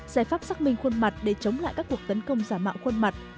giải pháp xác minh khuôn mặt để chống lại các cuộc tấn công giả mạo khuôn mặt